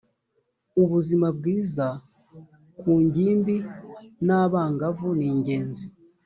ubuzima bwiza ku ngimbi n’ abangavu ningenzi.